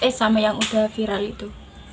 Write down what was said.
eh sama yang udah viral itu